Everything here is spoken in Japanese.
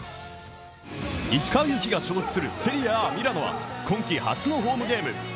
石川祐希が所属するセリエＡミラノは、今季初のホームゲーム。